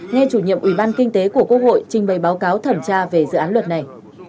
nghe chủ nhiệm ủy ban kinh tế của quốc hội trình bày báo cáo thẩm tra về dự án luật này